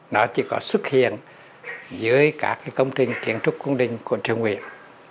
nó chỉ có xuất hiện dưới các công trình kiến trúc cung đình của triều nguyễn